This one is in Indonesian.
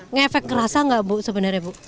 ngefek kerasa nggak bu sebenarnya bu